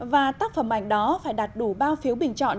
và tác phẩm ảnh đó phải đạt đủ bao phiếu bình chọn